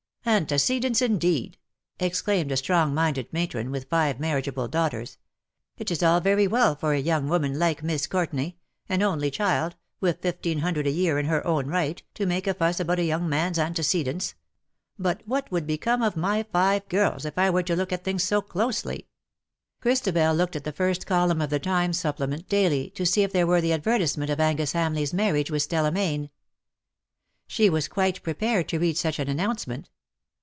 " Antecedents^, indeed/^ exclaimed a strong minded matron, with five marriageable daughters. ^' It is all very well for a young woman like Miss Courtenay ^an only child^ with fifteen hundred a year in her own right — to make a fuss about a young man's antecedents. But what would become of my five girls if I wete to look at things so closely." Christabel looked at the first column of the Times supplement daily to see if there were the advertisement of Angus Hamleigh's marriage with Stella Mayne. She was quite prepared to read such an announcement.